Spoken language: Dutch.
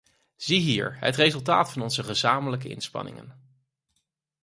Ziehier het resultaat van onze gezamenlijke inspanningen.